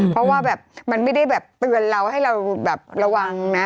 เพราะว่ามันไม่ได้เตือนเราให้เราระวังนะ